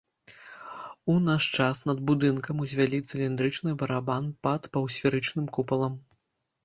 У наш час над будынкам узвялі цыліндрычны барабан пад паўсферычным купалам.